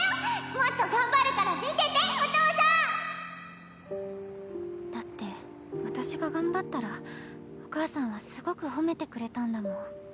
もっと頑張るから見ててお父さんだって私が頑張ったらお母さんはすごく褒めてくれたんだもん。